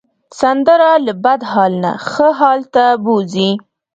سندره له بد حال نه ښه حال ته بوځي